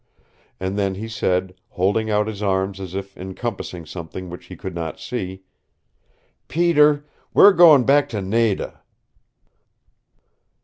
And then he said, holding out his arms as if encompassing something which he could not see. "Peter, we're going back to Nada!"